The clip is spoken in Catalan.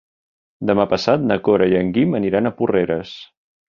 Demà passat na Cora i en Guim aniran a Porreres.